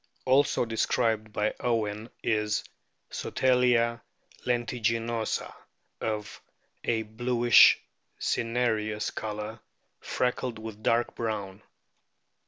Also described by Owen is Sotalia tentiginosa, of a bluish cinereous colour, freckled with dark brown.